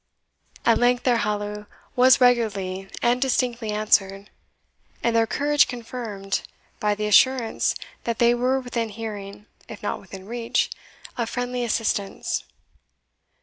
At length their halloo was regularly and distinctly answered, and their courage confirmed, by the assurance that they were within hearing, if not within reach, of friendly assistance.